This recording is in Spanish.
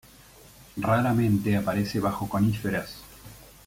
Raramente aparece bajo coníferas.